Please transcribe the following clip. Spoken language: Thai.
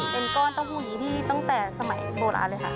เป็นก้อนเต้าหู้ยีที่ตั้งแต่สมัยโบราณเลยค่ะ